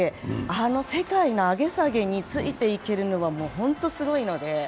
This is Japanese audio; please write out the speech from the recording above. あの世界の上げ下げについていけるのはホントにすごいので。